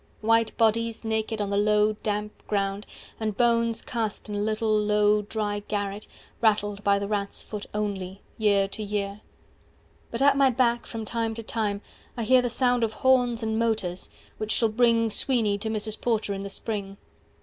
White bodies naked on the low damp ground And bones cast in a little low dry garret, Rattled by the rat's foot only, year to year. 195 But at my back from time to time I hear The sound of horns and motors, which shall bring Sweeney to Mrs. Porter in the spring.